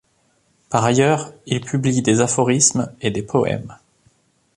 Par ailleurs, il publie des aphorismes et des poèmes.